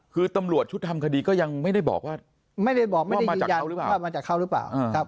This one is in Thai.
คือตำรวจชุดทำคดีก็ยังไม่ได้บอกว่าว่ามาจากเขาหรือเปล่า